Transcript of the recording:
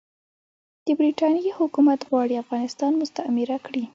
د برټانیې حکومت غواړي افغانستان مستعمره کړي.